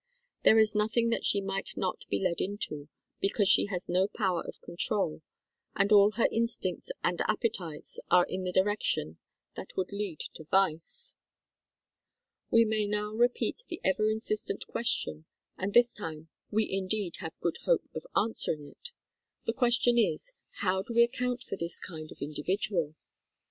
There is nothing that she might not be led into, because she has no power of control, and all her instincts and ap petites are in the direction that would lead to vice. We may now repeat the ever insistent question, and this time we indeed have good hope of answering it. The question is, "How do we account for this kind of individual ?